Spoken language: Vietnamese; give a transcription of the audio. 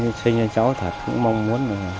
gia đình sinh cho cháu thật cũng mong muốn là